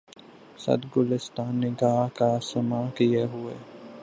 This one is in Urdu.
صد گلستاں نِگاه کا ساماں کئے ہوے